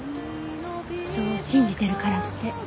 そう信じてるからって。